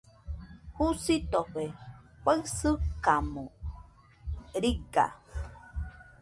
Jusitofe faɨsɨkamo riga.